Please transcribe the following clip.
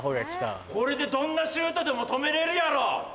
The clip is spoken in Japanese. これでどんなシュートでも止めれるやろ！